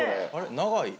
長い。